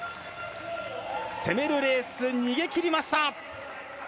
攻めるレース、逃げきりました！